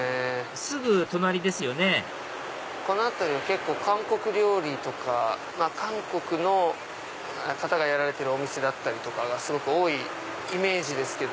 すぐ隣ですよねこの辺りは結構韓国料理とか韓国の方がやられてるお店がすごく多いイメージですけど。